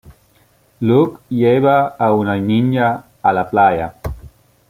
Luke lleva a una niña a la playa.